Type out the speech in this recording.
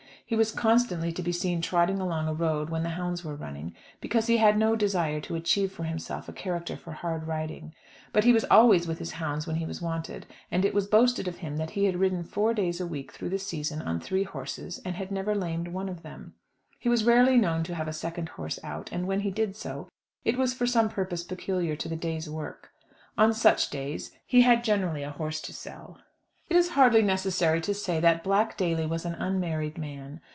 He was constantly to be seen trotting along a road when hounds were running, because he had no desire to achieve for himself a character for hard riding. But he was always with his hounds when he was wanted, and it was boasted of him that he had ridden four days a week through the season on three horses, and had never lamed one of them. He was rarely known to have a second horse out, and when he did so, it was for some purpose peculiar to the day's work. On such days he had generally a horse to sell. It is hardly necessary to say that Black Daly was an unmarried man.